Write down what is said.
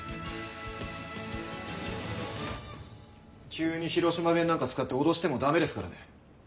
急に広島弁なんか使って脅しても駄目ですからね。